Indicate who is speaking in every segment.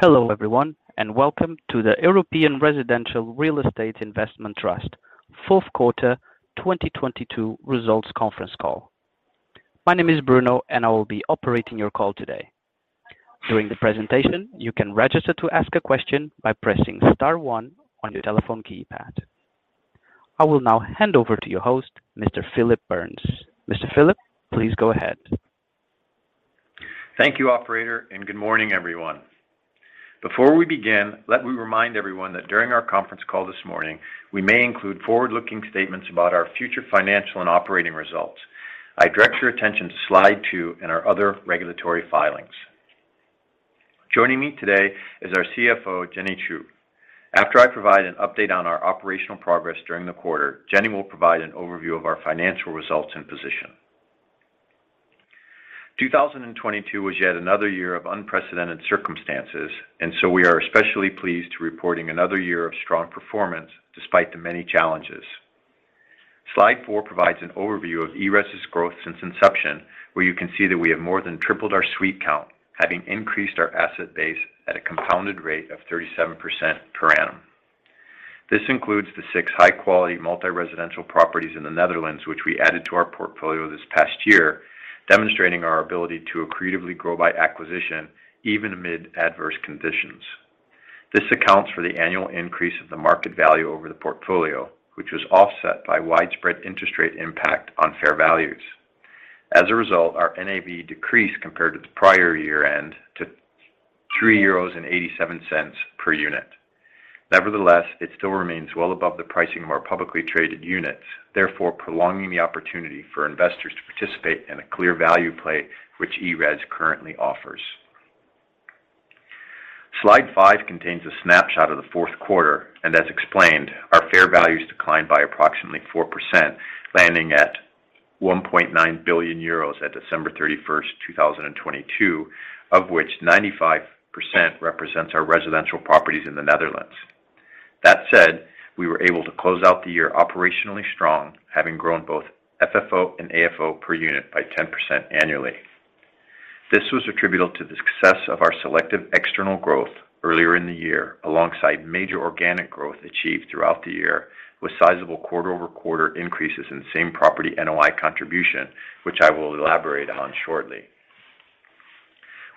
Speaker 1: Hello, everyone, and welcome to the European Residential Real Estate Investment Trust fourth quarter 2022 results conference call. My name is Bruno, and I will be operating your call today. During the presentation, you can register to ask a question by pressing star 1 on your telephone keypad. I will now hand over to your host, Mr. Phillip Burns. Mr. Phillip, please go ahead.
Speaker 2: Thank you, operator. Good morning, everyone. Before we begin, let me remind everyone that during our conference call this morning, we may include forward-looking statements about our future financial and operating results. I direct your attention to slide 2 and our other regulatory filings. Joining me today is our CFO, Jenny Chou. After I provide an update on our operational progress during the quarter, Jenny will provide an overview of our financial results and position. 2022 was yet another year of unprecedented circumstances, so we are especially pleased to reporting another year of strong performance despite the many challenges. Slide 4 provides an overview of ERES's growth since inception, where you can see that we have more than tripled our suite count, having increased our asset base at a compounded rate of 37% per annum. This includes the 6 high-quality multi-residential properties in the Netherlands, which we added to our portfolio this past year, demonstrating our ability to accretively grow by acquisition even amid adverse conditions. This accounts for the annual increase of the market value over the portfolio, which was offset by widespread interest rate impact on fair values. As a result, our NAV decreased compared to the prior year end to 3.87 euros per unit. Nevertheless, it still remains well above the pricing of our publicly traded units, therefore prolonging the opportunity for investors to participate in a clear value play, which ERES currently offers. Slide 5 contains a snapshot of the fourth quarter, and as explained, our fair values declined by approximately 4%, landing at 1.9 billion euros at December 31st, 2022, of which 95% represents our residential properties in the Netherlands. That said, we were able to close out the year operationally strong, having grown both FFO and AFFO per unit by 10% annually. This was attributable to the success of our selective external growth earlier in the year, alongside major organic growth achieved throughout the year, with sizable quarter-over-quarter increases in same property NOI contribution, which I will elaborate on shortly.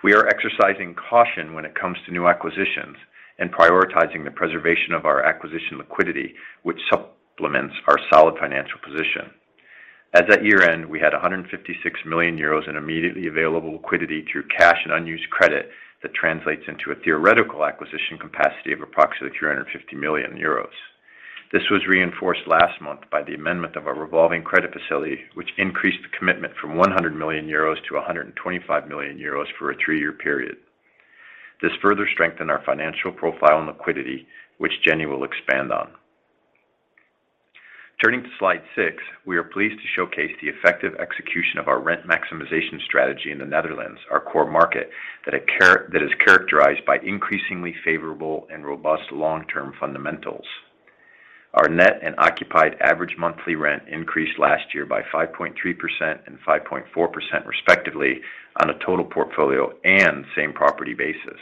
Speaker 2: We are exercising caution when it comes to new acquisitions and prioritizing the preservation of our acquisition liquidity, which supplements our solid financial position. As at year-end, we had 156 million euros in immediately available liquidity through cash and unused credit. That translates into a theoretical acquisition capacity of approximately 350 million euros. This was reinforced last month by the amendment of our revolving credit facility, which increased the commitment from 1 million euros to 125 million euros for a three-year period. This further strengthened our financial profile and liquidity, which Jenny will expand on. Turning to slide 6, we are pleased to showcase the effective execution of our rent maximization strategy in the Netherlands, our core market, that is characterized by increasingly favorable and robust long-term fundamentals. Our net and occupied average monthly rent increased last year by 5.3% and 5.4%, respectively, on a total portfolio and same property basis.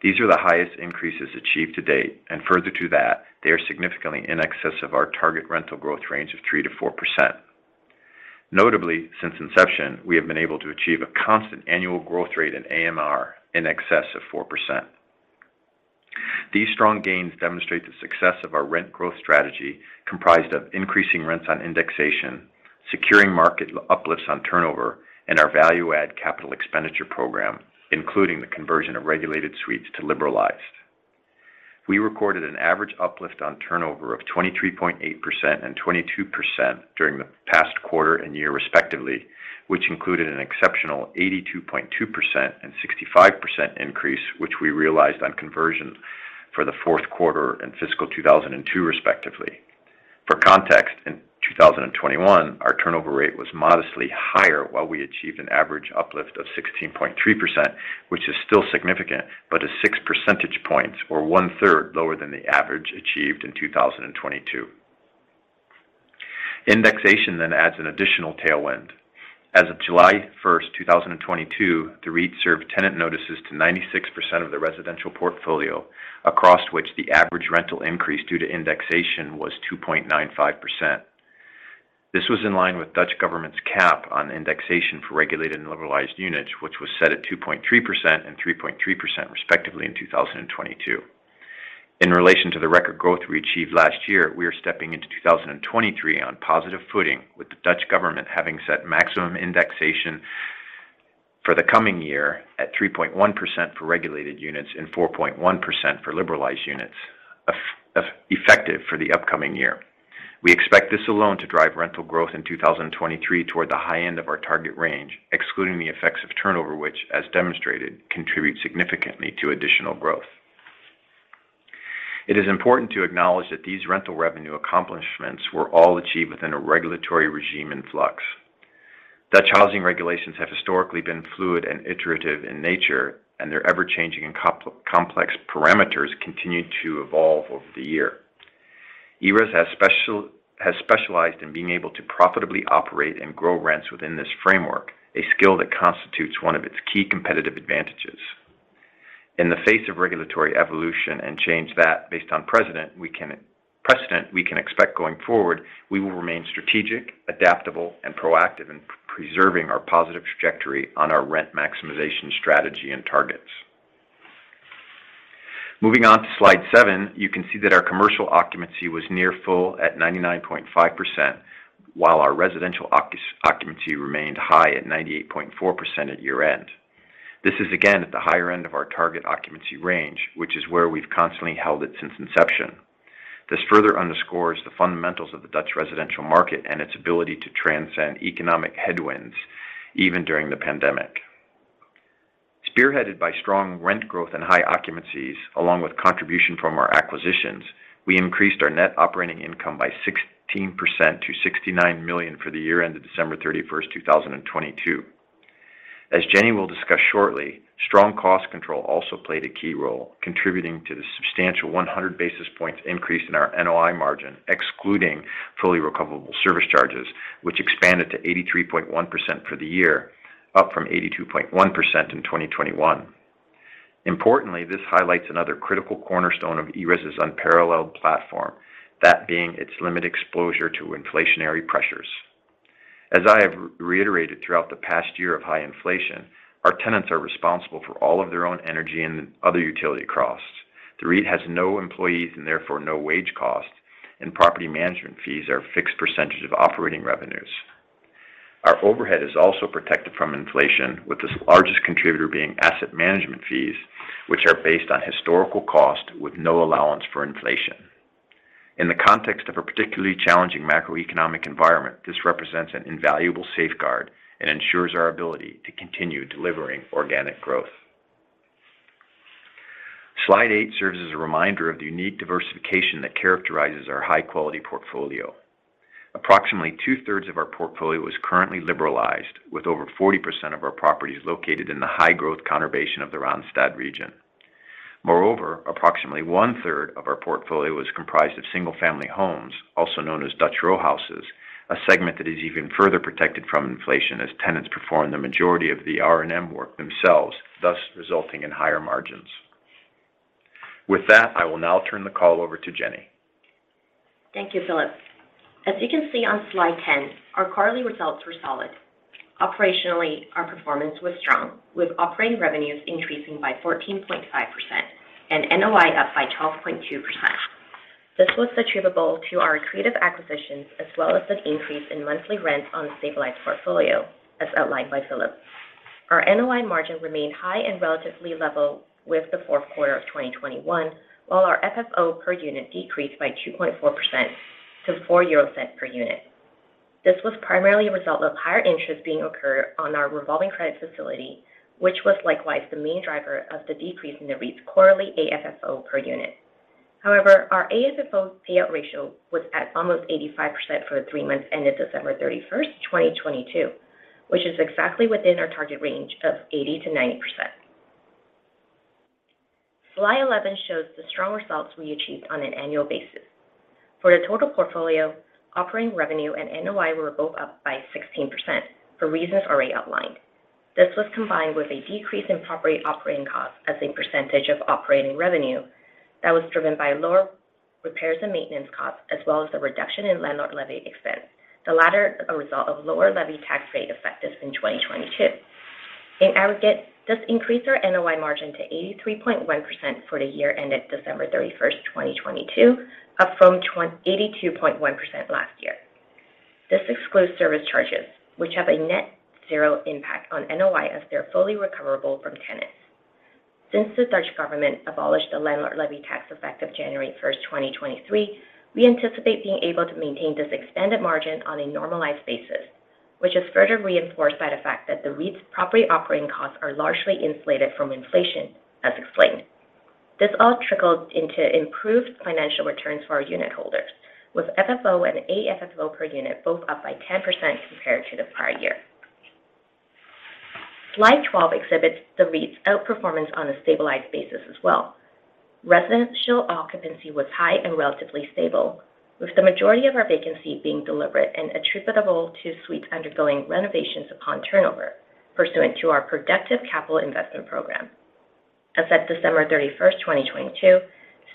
Speaker 2: These are the highest increases achieved to date, and further to that, they are significantly in excess of our target rental growth range of 3%-4%. Notably, since inception, we have been able to achieve a constant annual growth rate in AMR in excess of 4%. These strong gains demonstrate the success of our rent growth strategy, comprised of increasing rents on indexation, securing market uplifts on turnover, and our value add capital expenditure program, including the conversion of regulated suites to liberalized. We recorded an average uplift on turnover of 23.8% and 22% during the past quarter and year, respectively, which included an exceptional 82.2% and 65% increase, which we realized on conversion for the fourth quarter and fiscal 2022, respectively. For context, in 2021, our turnover rate was modestly higher, while we achieved an average uplift of 16.3%, which is still significant, but is 6 percentage points or one third lower than the average achieved in 2022. Indexation adds an additional tailwind. As of July 1st, 2022, the REIT served tenant notices to 96% of the residential portfolio, across which the average rental increase due to indexation was 2.95%. This was in line with Dutch government's cap on indexation for regulated and liberalized units, which was set at 2.3% and 3.3%, respectively, in 2022. In relation to the record growth we achieved last year, we are stepping into 2023 on positive footing with the Dutch government having set maximum indexation for the coming year at 3.1% for regulated units and 4.1% for liberalized units, effective for the upcoming year. We expect this alone to drive rental growth in 2023 toward the high end of our target range, excluding the effects of turnover, which, as demonstrated, contribute significantly to additional growth. It is important to acknowledge that these rental revenue accomplishments were all achieved within a regulatory regime in flux. Dutch housing regulations have historically been fluid and iterative in nature, and their ever-changing and complex parameters continued to evolve over the year. ERES has specialized in being able to profitably operate and grow rents within this framework, a skill that constitutes one of its key competitive advantages. In the face of regulatory evolution and change that based on precedent, we can expect going forward, we will remain strategic, adaptable, and proactive in preserving our positive trajectory on our rent maximization strategy and targets. Moving on to slide 7, you can see that our commercial occupancy was near full at 99.5%, while our residential occupancy remained high at 98.4% at year-end. This is again at the higher end of our target occupancy range, which is where we've constantly held it since inception. This further underscores the fundamentals of the Dutch residential market and its ability to transcend economic headwinds, even during the pandemic. Spearheaded by strong rent growth and high occupancies, along with contribution from our acquisitions, we increased our net operating income by 16% to 69 million for the year ended December 31, 2022. As Jenny will discuss shortly, strong cost control also played a key role, contributing to the substantial 100 basis points increase in our NOI margin, excluding fully recoverable service charges, which expanded to 83.1% for the year, up from 82.1% in 2021. Importantly, this highlights another critical cornerstone of ERES's unparalleled platform, that being its limited exposure to inflationary pressures. As I have reiterated throughout the past year of high inflation, our tenants are responsible for all of their own energy and other utility costs. The REIT has no employees, and therefore no wage costs, and property management fees are a fixed percentage of operating revenues. Our overhead is also protected from inflation, with the largest contributor being asset management fees, which are based on historical cost with no allowance for inflation. In the context of a particularly challenging macroeconomic environment, this represents an invaluable safeguard and ensures our ability to continue delivering organic growth. Slide eight serves as a reminder of the unique diversification that characterizes our high-quality portfolio. Approximately two-thirds of our portfolio is currently liberalized, with over 40% of our properties located in the high-growth conurbation of the Randstad region. Moreover, approximately one-third of our portfolio is comprised of single-family homes, also known as Dutch row houses, a segment that is even further protected from inflation as tenants perform the majority of the R&M work themselves, thus resulting in higher margins. With that, I will now turn the call over to Jenny.
Speaker 3: Thank you, Phillip. As you can see on slide 10, our quarterly results were solid. Operationally, our performance was strong, with operating revenues increasing by 14.5% and NOI up by 12.2%. This was attributable to our accretive acquisitions, as well as an increase in monthly rents on the stabilized portfolio, as outlined by Phillip. Our NOI margin remained high and relatively level with the fourth quarter of 2021, while our FFO per unit decreased by 2.4% to 0.04 per unit. This was primarily a result of higher interest being accrued on our revolving credit facility, which was likewise the main driver of the decrease in the REIT's quarterly AFFO per unit. However, our AFFO payout ratio was at almost 85% for the 3 months ended December 31st, 2022, which is exactly within our target range of 80%-90%. Slide 11 shows the strong results we achieved on an annual basis. For the total portfolio, operating revenue and NOI were both up by 16% for reasons already outlined. This was combined with a decrease in property operating costs as a percentage of operating revenue that was driven by lower repairs and maintenance costs, as well as the reduction in landlord levy expense, the latter a result of lower levy tax rate effective in 2022. In aggregate, this increased our NOI margin to 83.1% for the year ended December 31st, 2022, up from 82.1% last year. This excludes service charges, which have a net zero impact on NOI as they're fully recoverable from tenants. Since the Dutch government abolished the landlord levy tax effective January 1st, 2023, we anticipate being able to maintain this expanded margin on a normalized basis, which is further reinforced by the fact that the REIT's property operating costs are largely insulated from inflation, as explained. This all trickled into improved financial returns for our unit holders, with FFO and AFFO per unit both up by 10% compared to the prior year. Slide 12 exhibits the REIT's outperformance on a stabilized basis as well. Residential occupancy was high and relatively stable, with the majority of our vacancy being deliberate and attributable to suites undergoing renovations upon turnover, pursuant to our productive capital investment program. As at December 31, 2022,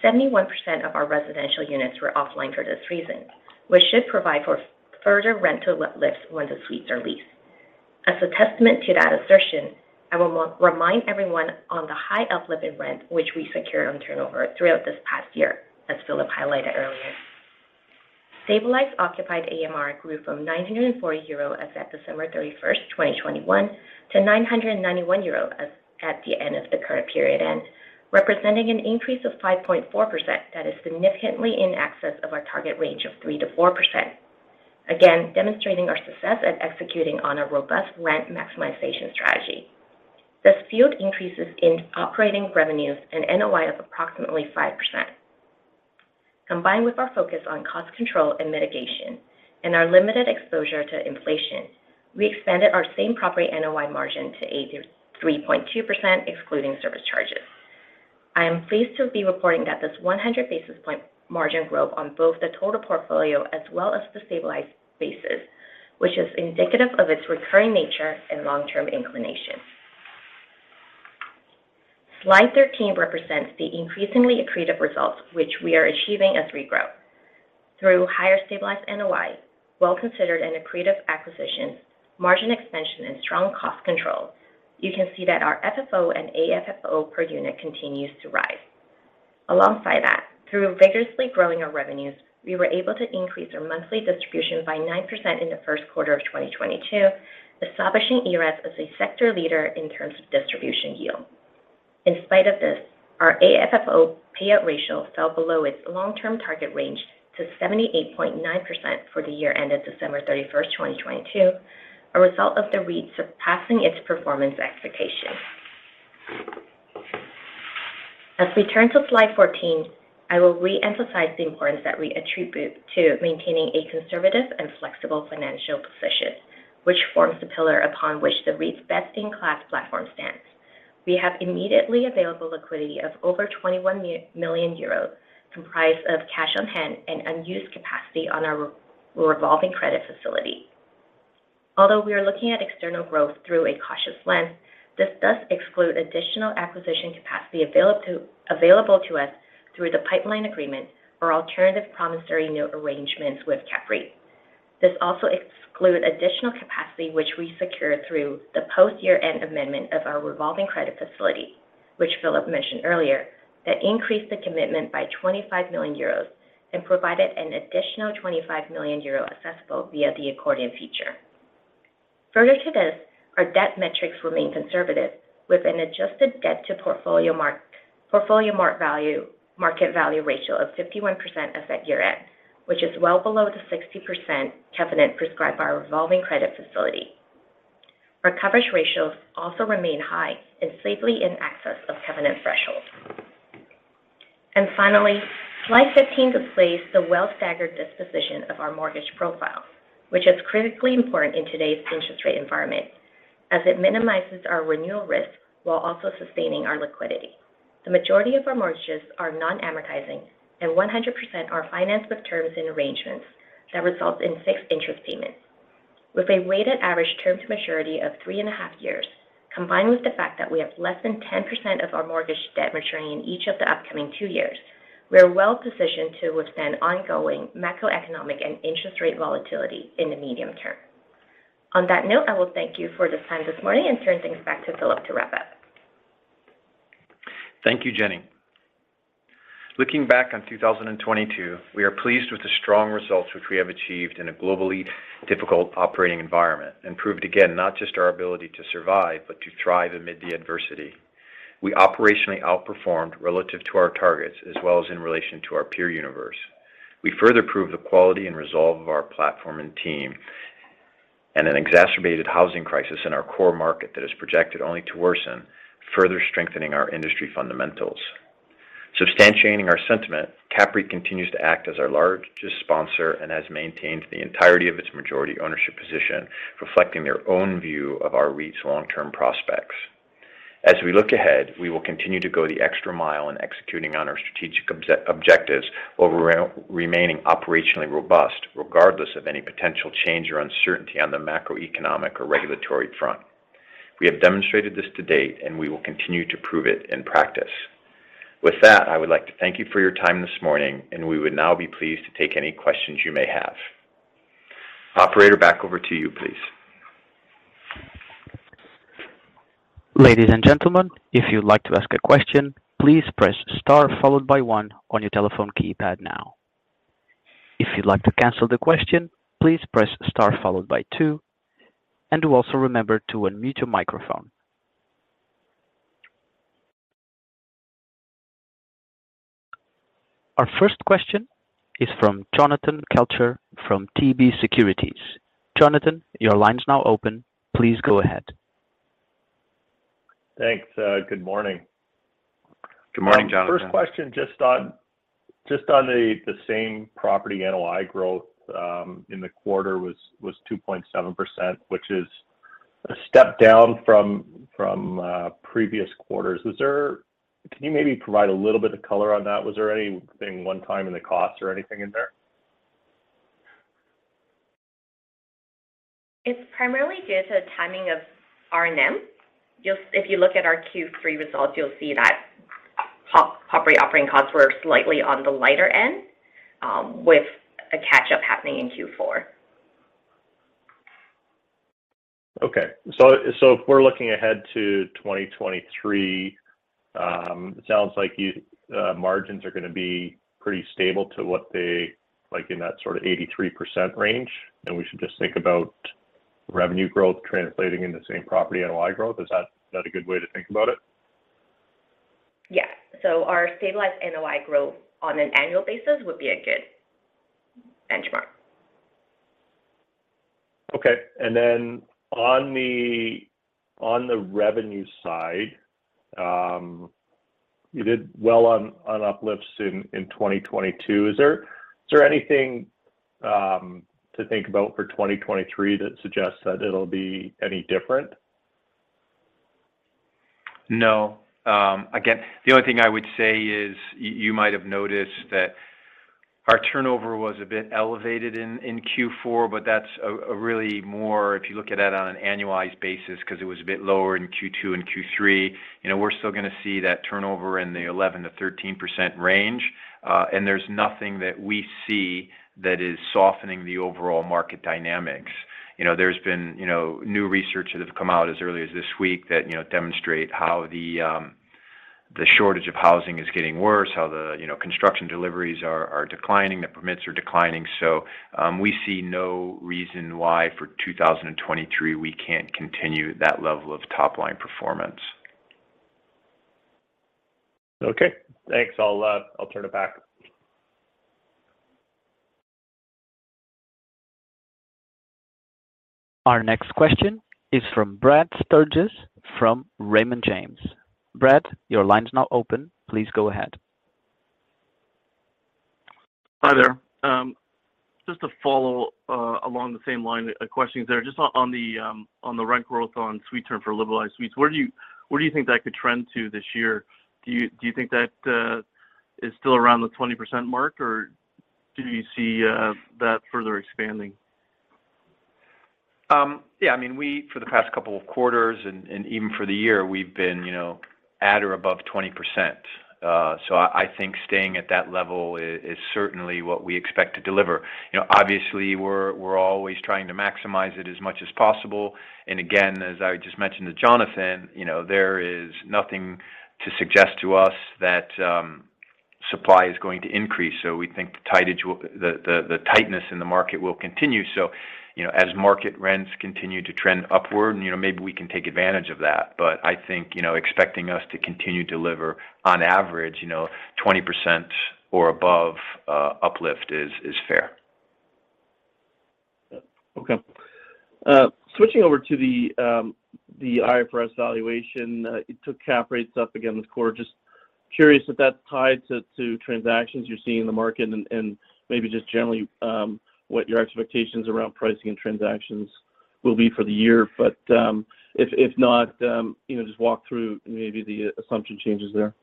Speaker 3: 71% of our residential units were offline for this reason, which should provide for further rental lifts when the suites are leased. As a testament to that assertion, I will re-remind everyone on the high uplift in rent, which we secured on turnover throughout this past year, as Phillip highlighted earlier. Stabilized occupied AMR grew from 940 euro as at December 31, 2021, to 991 euro as at the end of the current period end, representing an increase of 5.4% that is significantly in excess of our target range of 3%-4%. Again, demonstrating our success at executing on a robust rent maximization strategy. This fueled increases in operating revenues and NOI of approximately 5%. Combined with our focus on cost control and mitigation and our limited exposure to inflation-... We expanded our same property NOI margin to 83.2%, excluding service charges. I am pleased to be reporting that this 100 basis point margin growth on both the total portfolio as well as the stabilized basis, which is indicative of its recurring nature and long-term inclination. Slide 13 represents the increasingly accretive results, which we are achieving as we grow. Through higher stabilized NOI, well-considered and accretive acquisitions, margin expansion, and strong cost control, you can see that our FFO and AFFO per unit continues to rise. Alongside that, through vigorously growing our revenues, we were able to increase our monthly distribution by 9% in the first quarter of 2022, establishing ERES as a sector leader in terms of distribution yield. In spite of this, our AFFO payout ratio fell below its long-term target range to 78.9% for the year ended December 31, 2022, a result of the REIT surpassing its performance expectations. As we turn to slide 14, I will re-emphasize the importance that we attribute to maintaining a conservative and flexible financial position, which forms the pillar upon which the REIT's best-in-class platform stands. We have immediately available liquidity of over 21 million euros, comprised of cash on hand and unused capacity on our revolving credit facility. Although we are looking at external growth through a cautious lens, this does exclude additional acquisition capacity available to us through the pipeline agreement or alternative promissory note arrangements with CAPREIT. This also excludes additional capacity, which we secured through the post-year-end amendment of our revolving credit facility, which Phillip mentioned earlier, that increased the commitment by 25 million euros and provided an additional 25 million euro accessible via the accordion feature. Further to this, our debt metrics remain conservative, with an adjusted debt to portfolio mark value, market value ratio of 51% as at year-end, which is well below the 60% covenant prescribed by our revolving credit facility. Our coverage ratios also remain high and safely in excess of covenant thresholds. Finally, slide 15 displays the well staggered disposition of our mortgage profile, which is critically important in today's interest rate environment, as it minimizes our renewal risk while also sustaining our liquidity. The majority of our mortgages are non-amortizing, and 100% are financed with terms and arrangements that result in fixed interest payments. With a weighted average term to maturity of 3.5 years, combined with the fact that we have less than 10% of our mortgage debt maturing in each of the upcoming two years, we are well positioned to withstand ongoing macroeconomic and interest rate volatility in the medium term. On that note, I will thank you for the time this morning and turn things back to Phillip to wrap up.
Speaker 2: Thank you, Jenny. Looking back on 2022, we are pleased with the strong results which we have achieved in a globally difficult operating environment, and proved again, not just our ability to survive, but to thrive amid the adversity. We operationally outperformed relative to our targets, as well as in relation to our peer universe. We further proved the quality and resolve of our platform and team, and an exacerbated housing crisis in our core market that is projected only to worsen, further strengthening our industry fundamentals. Substantiating our sentiment, CAPREIT continues to act as our largest sponsor and has maintained the entirety of its majority ownership position, reflecting their own view of our REIT's long-term prospects. As we look ahead, we will continue to go the extra mile in executing on our strategic objectives, while remaining operationally robust, regardless of any potential change or uncertainty on the macroeconomic or regulatory front. We have demonstrated this to date. We will continue to prove it in practice. With that, I would like to thank you for your time this morning. We would now be pleased to take any questions you may have. Operator, back over to you, please.
Speaker 1: Ladies and gentlemen, if you'd like to ask a question, please press star followed by 1 on your telephone keypad now. If you'd like to cancel the question, please press star followed by 2, and do also remember to unmute your microphone. Our first question is from Jonathan Kelcher from TD Securities. Jonathan, your line's now open. Please go ahead.
Speaker 4: Thanks, good morning.
Speaker 2: Good morning, Jonathan.
Speaker 4: First question, just on, just on the, the same property NOI growth, in the quarter was, was 2.7%, which is a step down from, from, previous quarters. Can you maybe provide a little bit of color on that? Was there anything one-time in the cost or anything in there?
Speaker 3: It's primarily due to the timing of R&M. If you look at our Q3 results, you'll see that property operating costs were slightly on the lighter end, with a catch-up happening in Q4.
Speaker 4: If we're looking ahead to 2023, it sounds like you margins are going to be pretty stable to what they like in that sort of 83% range, and we should just think about revenue growth translating into the same property NOI growth. Is that, is that a good way to think about it?
Speaker 3: Yeah. Our stabilized NOI growth on an annual basis would be a good benchmark.
Speaker 4: Okay. Then on the, on the revenue side... You did well on, on uplifts in, in 2022. Is there, is there anything to think about for 2023 that suggests that it'll be any different?
Speaker 2: No. Again, the only thing I would say is you might have noticed that our turnover was a bit elevated in Q4, but that's if you look at that on an annualized basis, 'cause it was a bit lower in Q2 and Q3, you know, we're still gonna see that turnover in the 11%-13% range. There's nothing that we see that is softening the overall market dynamics. You know, there's been, you know, new research that have come out as early as this week that, you know, demonstrate how the shortage of housing is getting worse, how the, you know, construction deliveries are declining, the permits are declining. We see no reason why for 2023, we can't continue that level of top-line performance.
Speaker 4: Okay. Thanks. I'll, I'll turn it back.
Speaker 1: Our next question is from Brad Sturges, from Raymond James. Brad, your line is now open. Please go ahead.
Speaker 5: Hi there. Just to follow along the same line of questioning there, just on, on the rent growth on suite term for liberalized suites, where do you think that could trend to this year? Do you, do you think that is still around the 20% mark, or do you see that further expanding?
Speaker 2: Yeah, I mean, we, for the past couple of quarters and, and even for the year, we've been, you know, at or above 20%. I, I think staying at that level is, is certainly what we expect to deliver. You know, obviously, we're, we're always trying to maximize it as much as possible. As I just mentioned to Jonathan, you know, there is nothing to suggest to us that supply is going to increase, we think the tightness in the market will continue. You know, as market rents continue to trend upward, and, you know, maybe we can take advantage of that. You know, expecting us to continue to deliver on average, you know, 20% or above uplift is, is fair.
Speaker 5: Okay. Switching over to the IFRS valuation, it took cap rates up again this quarter. Just curious if that's tied to, to transactions you're seeing in the market and, and maybe just generally, what your expectations around pricing and transactions will be for the year. If, if not, you know, just walk through maybe the assumption changes there.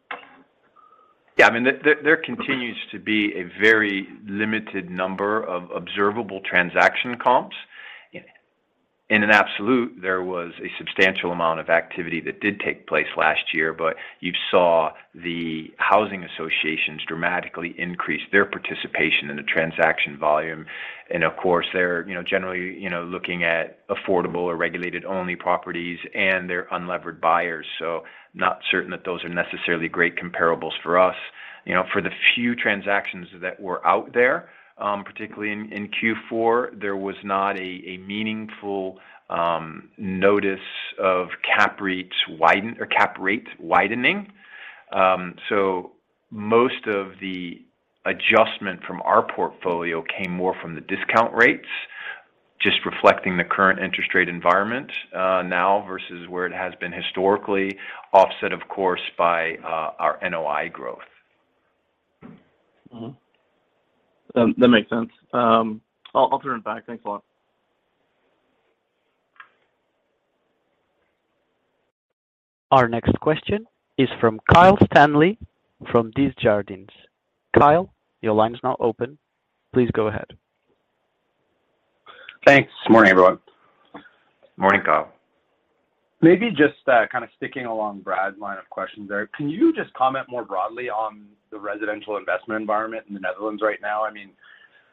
Speaker 2: Yeah, I mean, there, there, there continues to be a very limited number of observable transaction comps. In an absolute, there was a substantial amount of activity that did take place last year, but you saw the housing associations dramatically increase their participation in the transaction volume. Of course, they're, you know, generally, you know, looking at affordable or regulated-only properties, and they're unlevered buyers, so not certain that those are necessarily great comparables for us. You know, for the few transactions that were out there, particularly in Q4, there was not a, a meaningful notice of cap rates widen- or cap rates widening. Most of the adjustment from our portfolio came more from the discount rates, just reflecting the current interest rate environment, now versus where it has been historically, offset, of course, by our NOI growth.
Speaker 5: Mm-hmm. That makes sense. I'll, I'll turn it back. Thanks a lot.
Speaker 1: Our next question is from Kyle Stanley, from Desjardins. Kyle, your line is now open. Please go ahead.
Speaker 6: Thanks. Morning, everyone.
Speaker 2: Morning, Kyle.
Speaker 6: Maybe just, kind of sticking along Brad's line of questions there. Can you just comment more broadly on the residential investment environment in the Netherlands right now? I mean,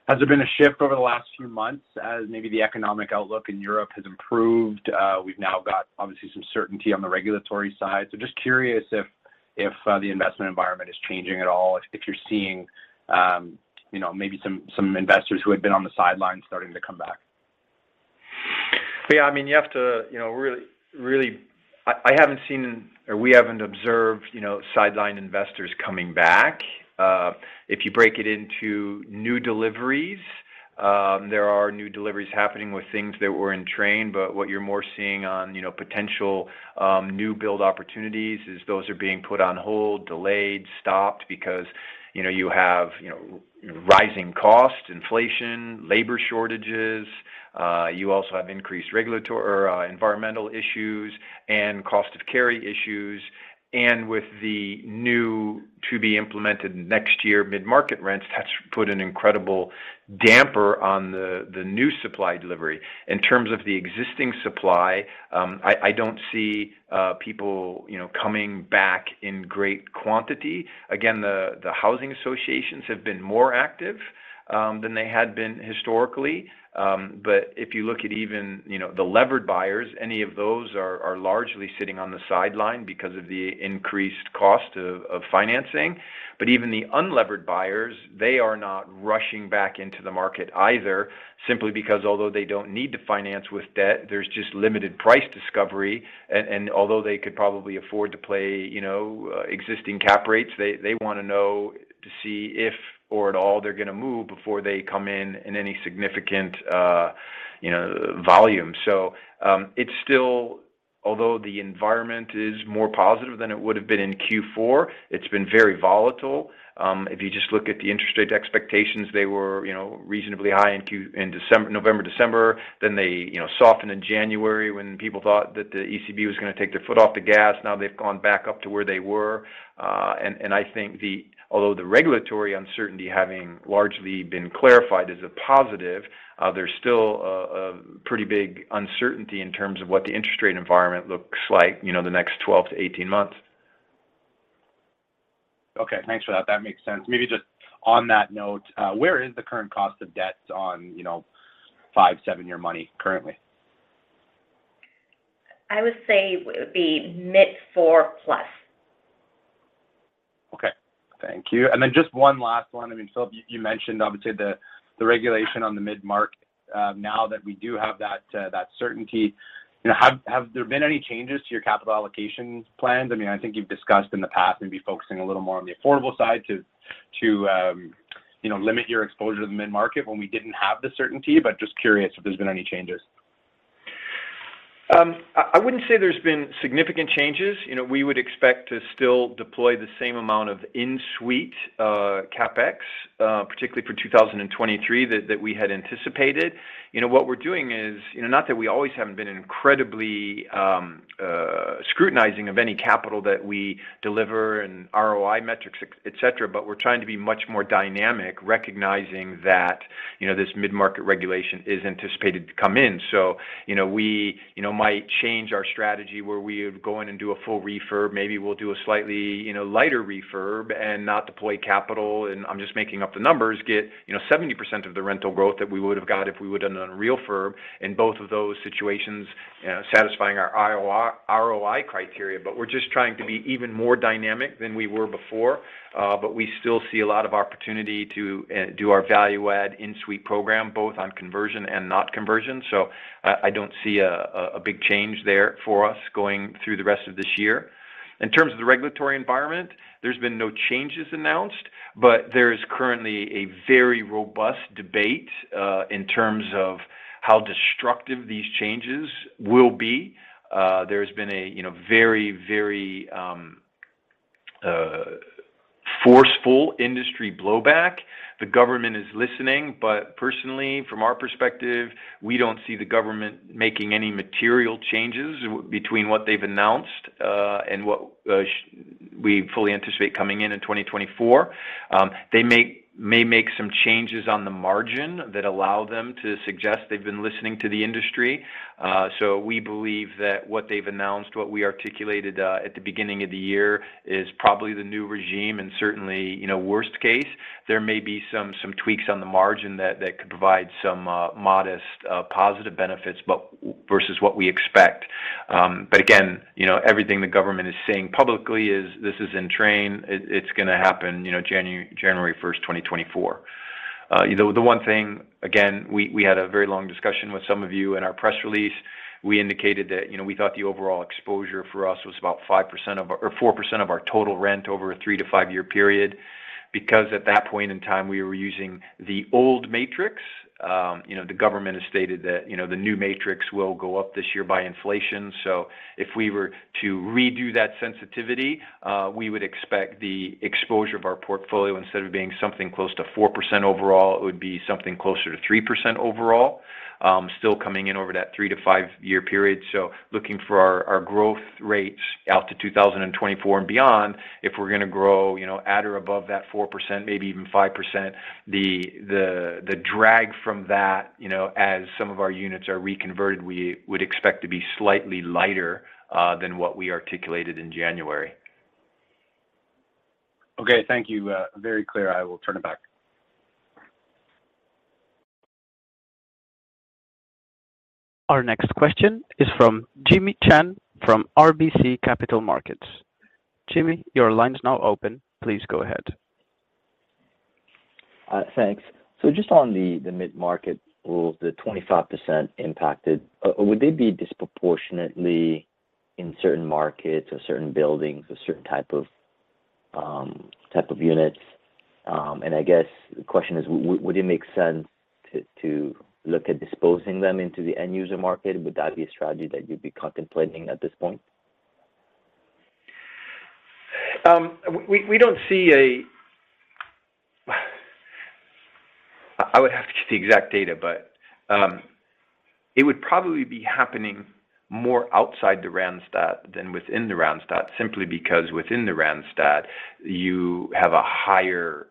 Speaker 6: has there been a shift over the last few months as maybe the economic outlook in Europe has improved? We've now got, obviously, some certainty on the regulatory side. Just curious if, if the investment environment is changing at all, if you're seeing, you know, maybe some, some investors who had been on the sidelines starting to come back.
Speaker 2: Yeah, I mean, you have to, you know, really, really... I, I haven't seen, or we haven't observed, you know, sideline investors coming back. If you break it into new deliveries, there are new deliveries happening with things that were in train, but what you're more seeing on, you know, potential, new build opportunities, is those are being put on hold, delayed, stopped, because, you know, you have, you know, rising costs, inflation, labor shortages. You also have increased regulatory or, environmental issues and cost of carry issues. With the new to-be-implemented next year, mid-market rents, that's put an incredible damper on the, the new supply delivery. In terms of the existing supply, I, I don't see, people, you know, coming back in great quantity. Again, the, the housing associations have been more active, than they had been historically. If you look at even, you know, the levered buyers, any of those are largely sitting on the sideline because of the increased cost of financing. Even the unlevered buyers, they are not rushing back into the market either, simply because although they don't need to finance with debt, there's just limited price discovery. Although they could probably afford to play, you know, existing cap rates, they wanna know to see if or at all they're going to move before they come in in any significant, you know, volume. It's still although the environment is more positive than it would have been in Q4, it's been very volatile. If you just look at the interest rate expectations, they were, you know, reasonably high in Q4, November, December. They, you know, softened in January when people thought that the ECB was going to take their foot off the gas. Now, they've gone back up to where they were. I think although the regulatory uncertainty having largely been clarified as a positive, there's still a pretty big uncertainty in terms of what the interest rate environment looks like, you know, the next 12 to 18 months.
Speaker 6: Okay, thanks for that. That makes sense. Maybe just on that note, where is the current cost of debt on, you know, five- to seven year money currently?
Speaker 3: I would say it would be mid-4%+.
Speaker 6: Okay. Thank you. Just one last one. I mean, Phillip, you, you mentioned obviously, the, the regulation on the mid-market, now that we do have that certainty, you know, have, have there been any changes to your capital allocation plans? I mean, I think you've discussed in the past maybe focusing a little more on the affordable side to, to, you know, limit your exposure to the mid-market when we didn't have the certainty, but just curious if there's been any changes.
Speaker 2: I, I wouldn't say there's been significant changes. You know, we would expect to still deploy the same amount of in-suite, CapEx, particularly for 2023, that, that we had anticipated. You know, what we're doing is... You know, not that we always haven't been incredibly scrutinizing of any capital that we deliver and ROI metrics, et cetera, but we're trying to be much more dynamic, recognizing that, you know, this mid-market regulation is anticipated to come in. So, you know, we, you know, might change our strategy where we would go in and do a full refurb. Maybe we'll do a slightly, you know, lighter refurb and not deploy capital. I'm just making up the numbers, get, you know, 70% of the rental growth that we would have got if we would have done a refurb, in both of those situations, satisfying our IOI, ROI criteria. We're just trying to be even more dynamic than we were before, but we still see a lot of opportunity to do our value add in-suite program, both on conversion and not conversion. I, I don't see a big change there for us going through the rest of this year. In terms of the regulatory environment, there's been no changes announced, but there is currently a very robust debate, in terms of how destructive these changes will be. There's been a, you know, very, very forceful industry blowback. The government is listening, but personally, from our perspective, we don't see the government making any material changes between what they've announced, and what we fully anticipate coming in in 2024. They may, may make some changes on the margin that allow them to suggest they've been listening to the industry. We believe that what they've announced, what we articulated, at the beginning of the year, is probably the new regime, and certainly, you know, worst case, there may be some, some tweaks on the margin that, that could provide some, modest, positive benefits, but versus what we expect. Again, you know, everything the government is saying publicly is, "This is in train. It, it's going to happen, you know, January 1st, 2024. You know, the one thing again, we, we had a very long discussion with some of you in our press release. We indicated that, you know, we thought the overall exposure for us was about 5% of our or 4% of our total rent over a three-to-five-year period, because at that point in time, we were using the old matrix. You know, the government has stated that, you know, the new matrix will go up this year by inflation. If we were to redo that sensitivity, we would expect the exposure of our portfolio, instead of being something close to 4% overall, it would be something closer to 3% overall, still coming in over that three-to-five-year period. Looking for our, our growth rates out to 2024 and beyond, if we're going to grow, you know, at or above that 4%, maybe even 5%, the, the, the drag from that, you know, as some of our units are reconverted, we would expect to be slightly lighter than what we articulated in January.
Speaker 6: Okay. Thank you. Very clear. I will turn it back.
Speaker 1: Our next question is from Jimmy Shan, from RBC Capital Markets. Jimmy, your line is now open. Please go ahead.
Speaker 7: Thanks. Just on the mid-market rules, the 25% impacted, would they be disproportionately in certain markets or certain buildings or certain type of units? I guess the question is, would it make sense to look at disposing them into the end user market? Would that be a strategy that you'd be contemplating at this point?
Speaker 2: I would have to get the exact data, but it would probably be happening more outside the Randstad than within the Randstad, simply because within the Randstad, you have a higher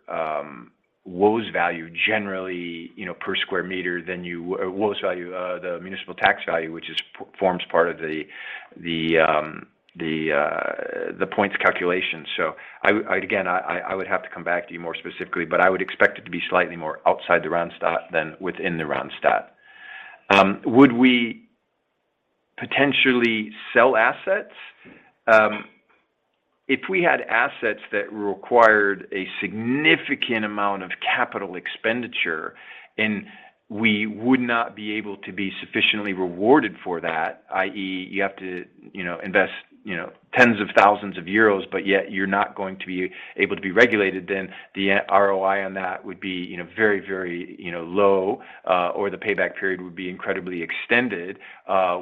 Speaker 2: WOZ value, generally, you know, per square meter than you. WOZ value, the municipal tax value, which forms part of the points calculation. Again, I would have to come back to you more specifically, but I would expect it to be slightly more outside the Randstad than within the Randstad. Would we potentially sell assets? If we had assets that required a significant amount of capital expenditure, and we would not be able to be sufficiently rewarded for that, i.e., you have to invest tens of thousands of EUR, but yet you're not going to be able to be regulated, then the ROI on that would be very, very low, or the payback period would be incredibly extended.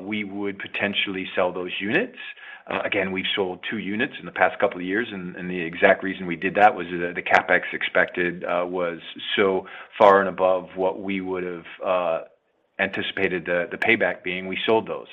Speaker 2: We would potentially sell those units. Again, we've sold two units in the past couple of years, and the exact reason we did that was the CapEx expected was so far and above what we would've anticipated the payback being. We sold those.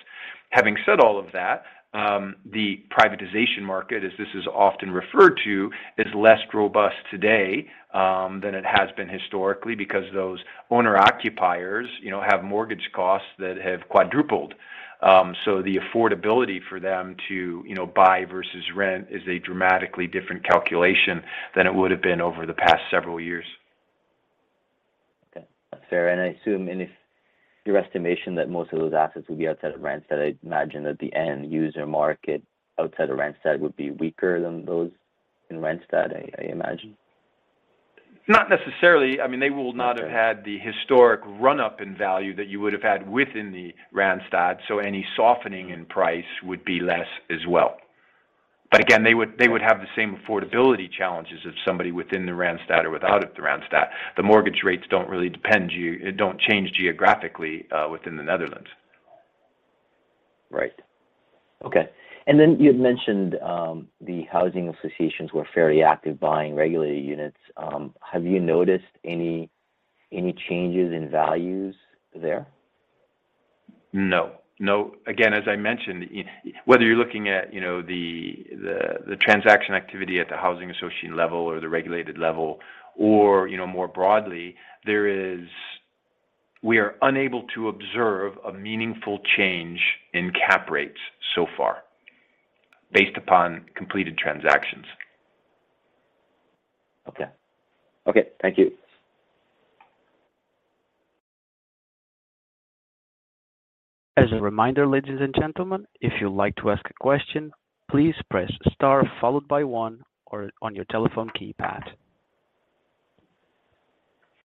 Speaker 2: Having said all of that, the privatization market, as this is often referred to, is less robust today, than it has been historically because those owner-occupiers, you know, have mortgage costs that have quadrupled. The affordability for them to, you know, buy versus rent is a dramatically different calculation than it would have been over the past several years.
Speaker 7: Okay. That's fair, and I assume, and if your estimation that most of those assets would be outside of Randstad, I'd imagine that the end user market outside of Randstad would be weaker than those in Randstad, I, I imagine.
Speaker 2: Not necessarily. I mean, they will not.
Speaker 7: Okay...
Speaker 2: have had the historic run-up in value that you would have had within the Randstad, so any softening in price would be less as well. Again, they would-
Speaker 7: Right...
Speaker 2: they would have the same affordability challenges of somebody within the Randstad or without the Randstad. The mortgage rates don't really depend don't change geographically within the Netherlands.
Speaker 7: Right. Okay. Then you had mentioned, the housing associations were fairly active buying regulated units. Have you noticed any, any changes in values there?
Speaker 2: No. No. Again, as I mentioned, whether you're looking at, you know, the, the, the transaction activity at the housing association level or the regulated level or, you know, more broadly. We are unable to observe a meaningful change in cap rates so far based upon completed transactions.
Speaker 7: Okay. Okay, thank you.
Speaker 1: As a reminder, ladies and gentlemen, if you'd like to ask a question, please press Star followed by 1 on your telephone keypad.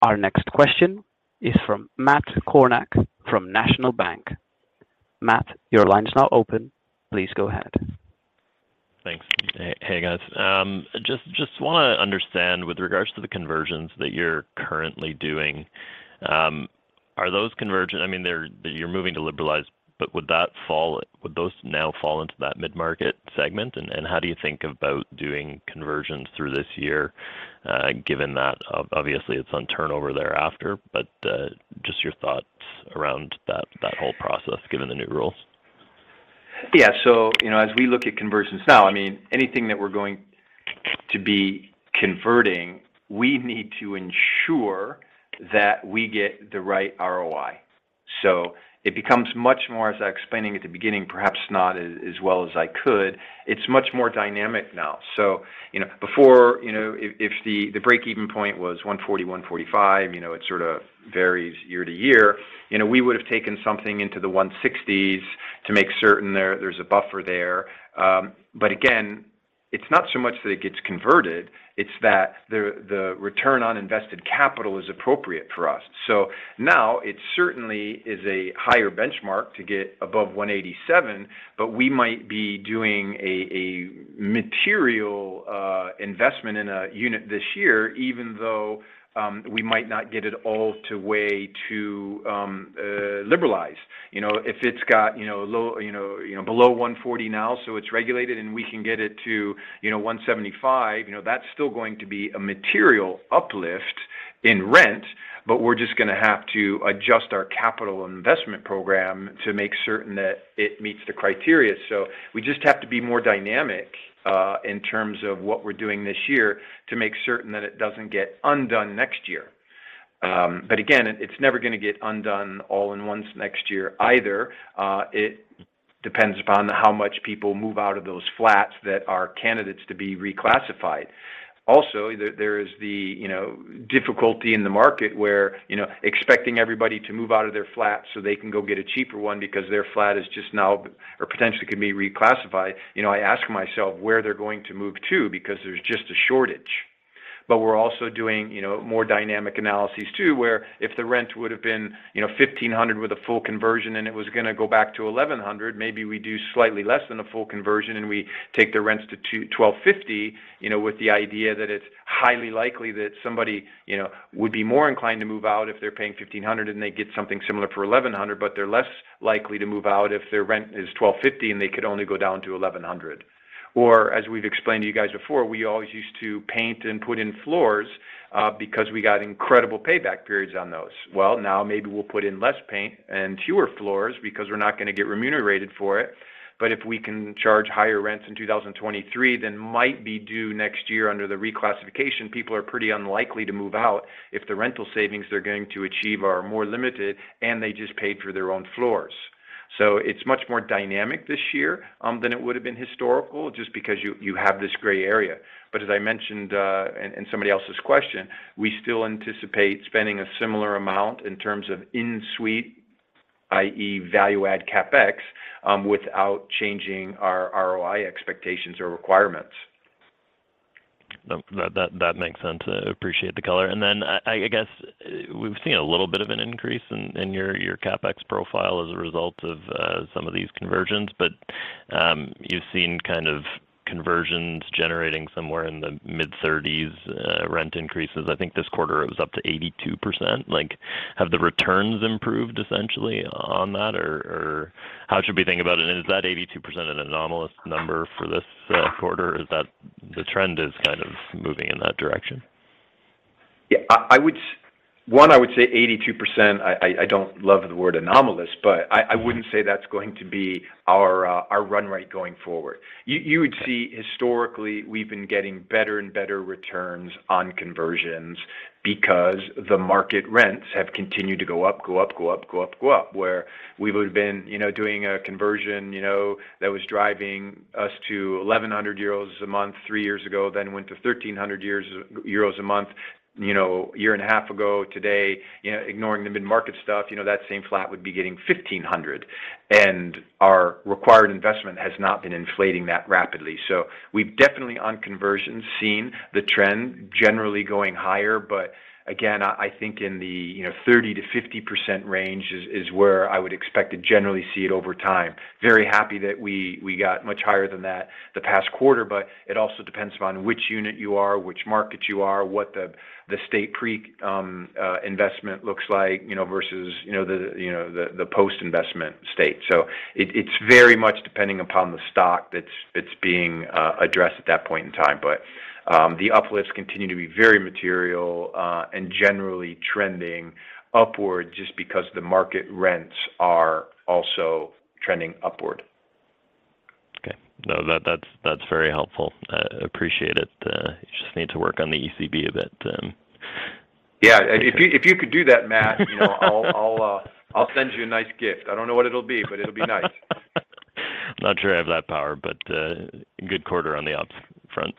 Speaker 1: Our next question is from Matt Kornack from National Bank. Matt, your line is now open. Please go ahead.
Speaker 8: Thanks. Hey, hey, guys. just, just wanna understand with regards to the conversions that you're currently doing, are those convergent...? I mean, you're moving to liberalize, but would those now fall into that mid-market segment? How do you think about doing conversions through this year, given that obviously, it's on turnover thereafter, but, just your thoughts around that, that whole process, given the new rules?
Speaker 2: Yeah. You know, as we look at conversions now, I mean, anything that we're going to be converting, we need to ensure that we get the right ROI. It becomes much more, as I was explaining at the beginning, perhaps not as, as well as I could, it's much more dynamic now. You know, before, you know, if, if the, the break-even point was 140, 145, you know, it sort of varies year to year, you know, we would have taken something into the 160s to make certain there, there's a buffer there. Again, it's not so much that it gets converted, it's that the, the return on invested capital is appropriate for us. Now, it certainly is a higher benchmark to get above 187, but we might be doing a, a material investment in a unit this year, even though we might not get it all to way to liberalize. You know, if it's got, you know, low, you know, below 140 now, so it's regulated, and we can get it to, you know, 175, you know, that's still going to be a material uplift in rent, but we're just gonna have to adjust our capital investment program to make certain that it meets the criteria. We just have to be more dynamic in terms of what we're doing this year to make certain that it doesn't get undone next year. Again, it's never gonna get undone all at once next year either. It depends upon how much people move out of those flats that are candidates to be reclassified. Also, there, there is the, you know, difficulty in the market where, you know, expecting everybody to move out of their flat so they can go get a cheaper one because their flat is just now, or potentially can be reclassified. You know, I ask myself where they're going to move to because there's just a shortage. We're also doing, you know, more dynamic analyses too, where if the rent would have been, you know, 1,500 with a full conversion and it was gonna go back to 1,100, maybe we do slightly less than a full conversion and we take the rents to 1,250, you know, with the idea that it's highly likely that somebody, you know, would be more inclined to move out if they're paying 1,500 and they get something similar for 1,100, but they're less likely to move out if their rent is 1,250 and they could only go down to 1,100. As we've explained to you guys before, we always used to paint and put in floors, because we got incredible payback periods on those. Well, now maybe we'll put in less paint and fewer floors because we're not gonna get remunerated for it. If we can charge higher rents in 2023 than might be due next year under the reclassification, people are pretty unlikely to move out if the rental savings they're going to achieve are more limited and they just paid for their own floors. It's much more dynamic this year than it would have been historical, just because you, you have this gray area. As I mentioned, in somebody else's question, we still anticipate spending a similar amount in terms of in-suite, i.e., value-add CapEx, without changing our ROI expectations or requirements.
Speaker 8: No, that, that, that makes sense. I appreciate the color. I, I guess, we've seen a little bit of an increase in, in your, your CapEx profile as a result of, some of these conversions. You've seen kind of conversions generating somewhere in the mid-30s, rent increases. I think this quarter it was up to 82%. Like, have the returns improved essentially on that? How should we think about it? Is that 82% an anomalous number for this, quarter, or is that the trend is kind of moving in that direction?
Speaker 2: Yeah, I, I would-- One, I would say 82%, I, I don't love the word anomalous, but I, I wouldn't say that's going to be our run rate going forward. You, you would see historically, we've been getting better and better returns on conversions because the market rents have continued to go up, go up, go up, go up, go up. Where we would have been, you know, doing a conversion, you know, that was driving us to 1,100 euros a month, three years ago, then went to 1,300 euros a month, you know, a year and a half ago today. You know, ignoring the mid-market stuff, you know, that same flat would be getting 1,500, and our required investment has not been inflating that rapidly. We've definitely, on conversions, seen the trend generally going higher, but again, I, I think in the 30%-50% range is, is where I would expect to generally see it over time. Very happy that we, we got much higher than that the past quarter, but it also depends upon which unit you are, which market you are, what the, the state pre-investment looks like versus the, the post-investment state. It, it's very much depending upon the stock that's, that's being addressed at that point in time. But the uplifts continue to be very material and generally trending upward just because the market rents are also trending upward.
Speaker 8: Okay. No, that, that's, that's very helpful. I appreciate it. You just need to work on the ECB a bit.
Speaker 2: Yeah, if you, if you could do that, Matt, you know, I'll, I'll send you a nice gift. I don't know what it'll be, but it'll be nice.
Speaker 8: Not sure I have that power, but good quarter on the ops front.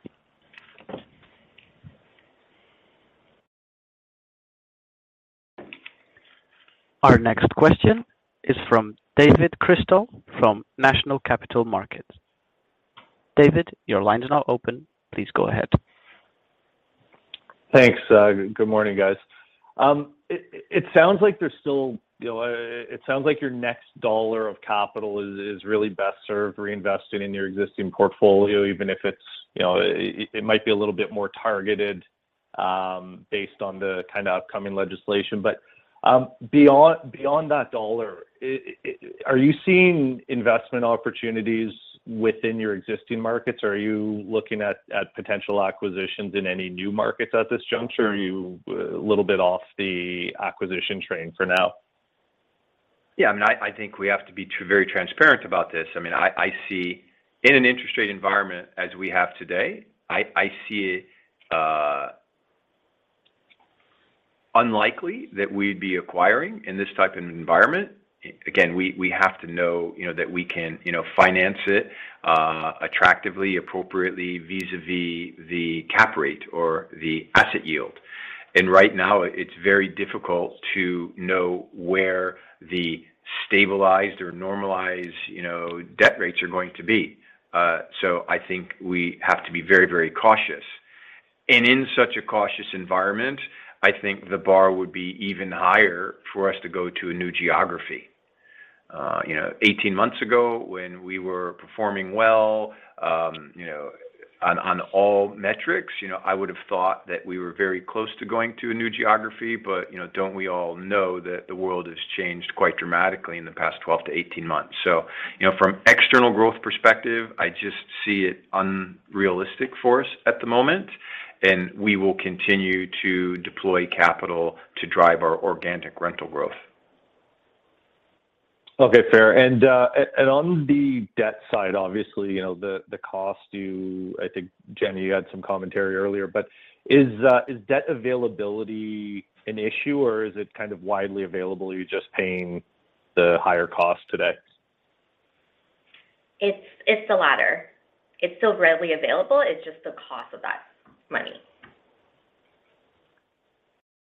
Speaker 1: Our next question is from David Chrystal, from Echelon Capital Markets. David, your line is now open. Please go ahead.
Speaker 9: Thanks. Good morning, guys. You know, it sounds like your next dollar of capital is really best served reinvesting in your existing portfolio, even if it's, you know, it might be a little bit more targeted, based on the kind of upcoming legislation. Beyond that dollar, are you seeing investment opportunities within your existing markets? Are you looking at potential acquisitions in any new markets at this juncture? Or are you a little bit off the acquisition train for now?
Speaker 2: Yeah, I mean, I, I think we have to be very transparent about this. I mean, In an interest rate environment as we have today, I, I see it unlikely that we'd be acquiring in this type of environment. Again, we, we have to know, you know, that we can, you know, finance it attractively, appropriately, vis-a-vis the cap rate or the asset yield. Right now, it's very difficult to know where the stabilized or normalized, you know, debt rates are going to be. I think we have to be very, very cautious. In such a cautious environment, I think the bar would be even higher for us to go to a new geography. You know, 18 months ago, when we were performing well, you know, on, on all metrics, you know, I would have thought that we were very close to going to a new geography, but, you know, don't we all know that the world has changed quite dramatically in the past 12 to 18 months? You know, from external growth perspective, I just see it unrealistic for us at the moment, and we will continue to deploy capital to drive our organic rental growth.
Speaker 9: Okay, fair. On the debt side, obviously, you know, the, the cost, I think, Jenny, you had some commentary earlier, but is debt availability an issue, or is it kind of widely available, are you just paying the higher cost today?
Speaker 3: It's, it's the latter. It's still readily available. It's just the cost of that money.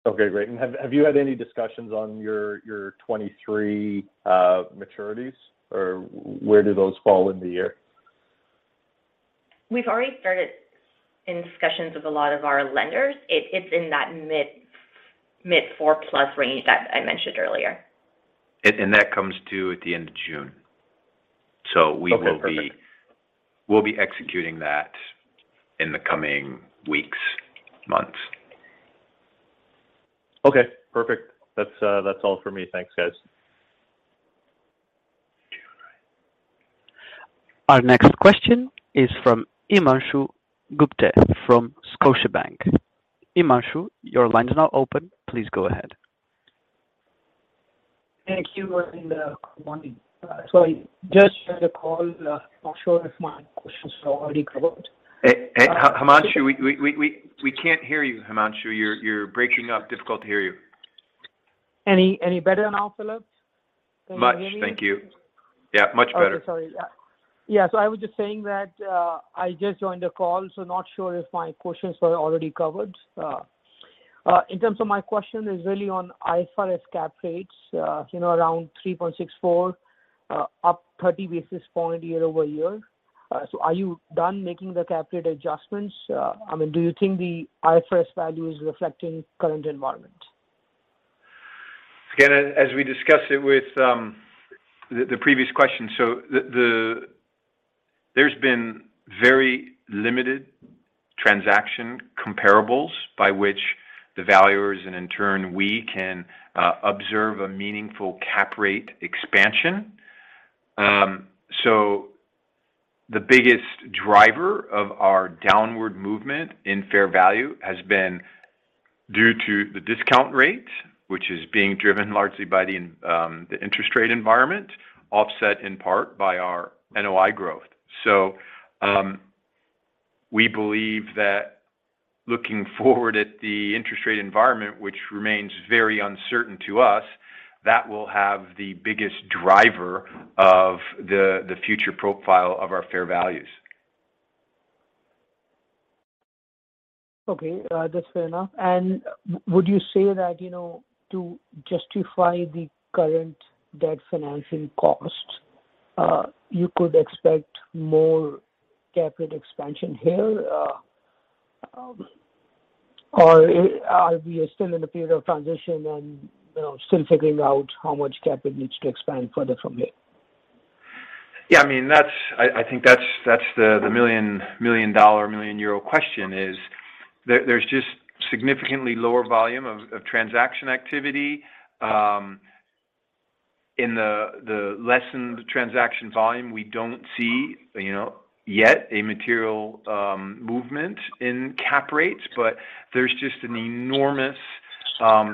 Speaker 9: Okay, great. Have you had any discussions on your, your 23, maturities, or where do those fall in the year?
Speaker 3: We've already started in discussions with a lot of our lenders. It's in that mid, mid 4-plus range that I mentioned earlier.
Speaker 2: That comes due at the end of June.
Speaker 9: Okay, perfect.
Speaker 2: We'll be executing that in the coming weeks, months.
Speaker 9: Okay, perfect. That's all for me. Thanks, guys.
Speaker 1: Our next question is from Himanshu Gupta, from Scotiabank. Himanshu, your line is now open. Please go ahead.
Speaker 10: Thank you. Good morning. I just joined the call, not sure if my questions are already covered.
Speaker 2: Hey, Hey, Himanshu, we, we, we, we can't hear you, Himanshu. You're, you're breaking up. Difficult to hear you.
Speaker 10: Any, any better now, Phillip?
Speaker 2: Much. Thank you. Yeah, much better.
Speaker 10: Okay, sorry. Yeah. I was just saying that, I just joined the call, so not sure if my questions were already covered... In terms of my question is really on IFRS cap rates, you know, around 3.64, up 30 basis points year-over-year. I mean, do you think the IFRS value is reflecting current environment?
Speaker 2: As, as we discussed it with the previous question, there's been very limited transaction comparables by which the valuers, and in turn, we can observe a meaningful cap rate expansion. The biggest driver of our downward movement in fair value has been due to the discount rate, which is being driven largely by the interest rate environment, offset in part by our NOI growth. We believe that looking forward at the interest rate environment, which remains very uncertain to us, that will have the biggest driver of the future profile of our fair values.
Speaker 10: Okay, that's fair enough. Would you say that, you know, to justify the current debt financing cost, you could expect more cap rate expansion here, or are we still in a period of transition and, you know, still figuring out how much cap rate needs to expand further from here?
Speaker 2: Yeah, I mean, that's, I, I think that's, that's the, the $1 million, 1 million euro question, is there, there's just significantly lower volume of, of transaction activity. In the, the lessened transaction volume, we don't see, you know, yet a material movement in cap rates, but there's just an enormous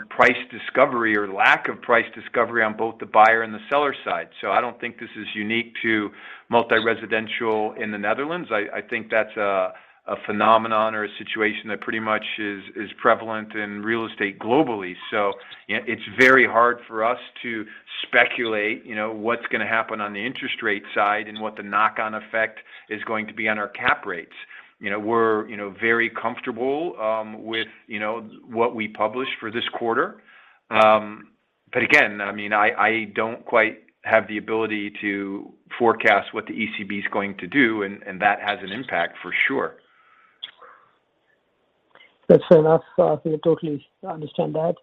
Speaker 2: price discovery or lack of price discovery on both the buyer and the seller side. I don't think this is unique to multi-residential in the Netherlands. I, I think that's a, a phenomenon or a situation that pretty much is, is prevalent in real estate globally. Yeah, it's very hard for us to speculate, you know, what's gonna happen on the interest rate side and what the knock-on effect is going to be on our cap rates. You know, we're, you know, very comfortable with, you know, what we published for this quarter. Again, I mean, I, I don't quite have the ability to forecast what the ECB is going to do, and, and that has an impact for sure.
Speaker 10: That's fair enough. We totally understand that.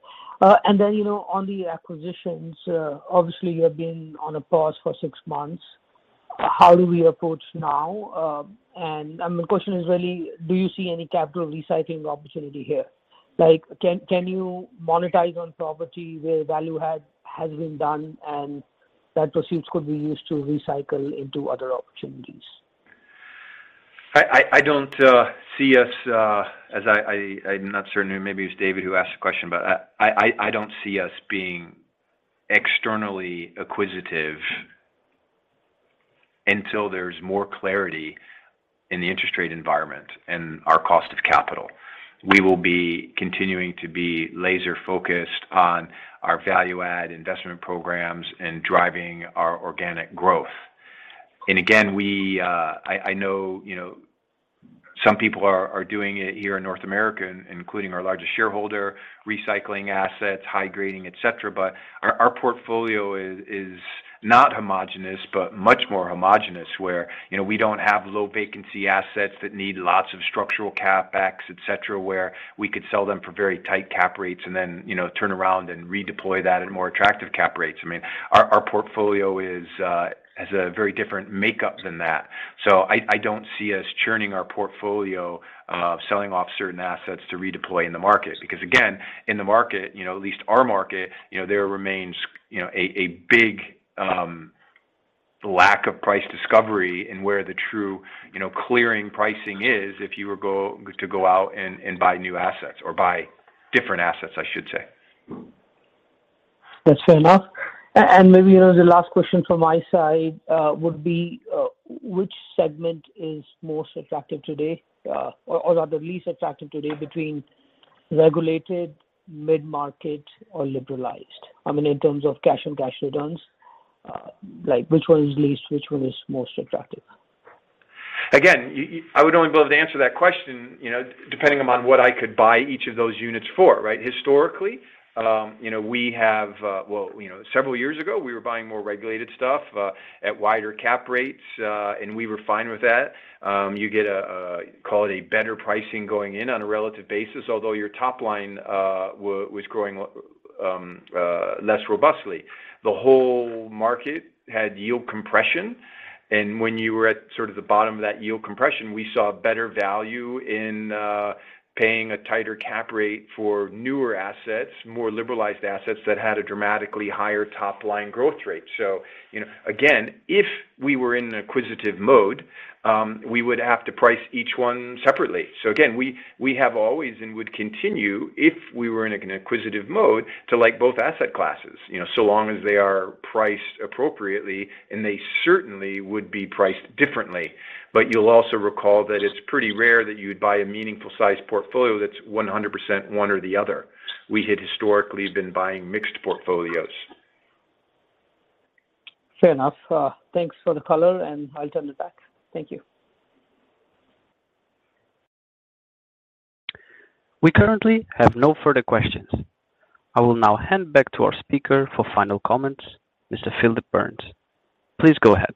Speaker 10: You know, on the acquisitions, obviously, you have been on a pause for 6 months. How do we approach now? The question is really, do you see any capital recycling opportunity here? Like, can, can you monetize on property where value add has been done and that proceeds could be used to recycle into other opportunities?
Speaker 2: I, I, I don't see us. As I, I, I'm not certain, maybe it's David who asked the question, but I, I, I don't see us being externally acquisitive until there's more clarity in the interest rate environment and our cost of capital. We will be continuing to be laser-focused on our value add investment programs and driving our organic growth. Again, we, I, I know, you know, some people are, are doing it here in North America, including our largest shareholder, recycling assets, high grading, et cetera, but our, our portfolio is, is not homogenous, but much more homogenous, where, you know, we don't have low vacancy assets that need lots of structural CapEx, et cetera, where we could sell them for very tight cap rates and then, you know, turn around and redeploy that at more attractive cap rates. I mean, our, our portfolio is, has a very different makeup than that. I, I don't see us churning our portfolio, selling off certain assets to redeploy in the market. Again, in the market, you know, at least our market, you know, there remains, you know, a, a big, lack of price discovery in where the true, you know, clearing pricing is, if you were to go out and, and buy new assets or buy different assets, I should say.
Speaker 10: That's fair enough. Maybe, you know, the last question from my side, would be, which segment is most attractive today, or, or the least attractive today between regulated, mid-market, or liberalized? I mean, in terms of cash and cash returns, like, which one is least, which one is most attractive?
Speaker 2: Again, I would only be able to answer that question, you know, depending upon what I could buy each of those units for, right? Historically, you know, we have, well, you know, several years ago, we were buying more regulated stuff at wider cap rates, and we were fine with that. You get a, a, call it a better pricing going in on a relative basis, although your top line was growing less robustly. The whole market had yield compression, and when you were at sort of the bottom of that yield compression, we saw better value in paying a tighter cap rate for newer assets, more liberalized assets that had a dramatically higher top-line growth rate. You know, again, if we were in an acquisitive mode, we would have to price each one separately. Again, we, we have always and would continue, if we were in an acquisitive mode, to like both asset classes, you know, so long as they are priced appropriately, and they certainly would be priced differently. But you'll also recall that it's pretty rare that you'd buy a meaningful size portfolio that's 100% one or the other. We had historically been buying mixed portfolios.
Speaker 10: Fair enough. Thanks for the color, and I'll turn it back. Thank you.
Speaker 1: We currently have no further questions. I will now hand back to our speaker for final comments, Mr. Phillip Burns. Please go ahead.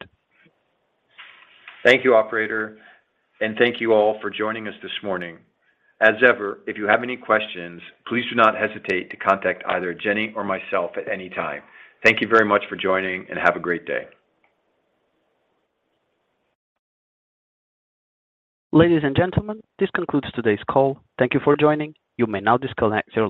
Speaker 2: Thank you, operator. Thank you all for joining us this morning. As ever, if you have any questions, please do not hesitate to contact either Jenny or myself at any time. Thank you very much for joining. Have a great day.
Speaker 1: Ladies and gentlemen, this concludes today's call. Thank you for joining. You may now disconnect your line.